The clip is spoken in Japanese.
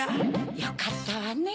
よかったわね。